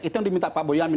itu yang diminta pak boyamin